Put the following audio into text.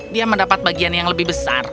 dia mendapat bagian yang lebih besar